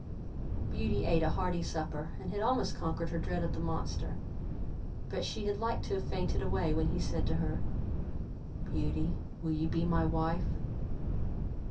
Beauty ate a hearty supper, and had almost conquered her dread of the monster; but she had liked to have fainted away, when he said to her, "Beauty, will you be my wife?"